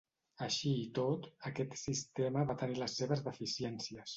Així i tot, aquest sistema va tenir les seves deficiències.